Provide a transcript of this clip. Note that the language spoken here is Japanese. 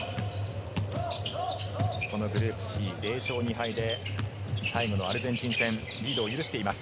このグループＣ、０勝２敗で最後のアルゼンチン戦、リードを許しています。